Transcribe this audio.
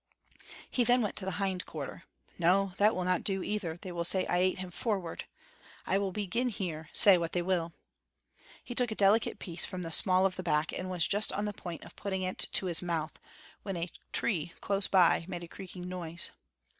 He then went to the hind quarter. "No, that will not do, either; they will say I ate him forward. I will begin here, say what they will." He took a delicate piece from the small of the back and was just on the point of putting it to his mouth, when a tree close by made a creaking noise.